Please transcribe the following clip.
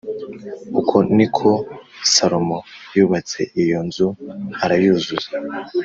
Uko ni ko Salomo yubatse iyo nzu, arayuzuza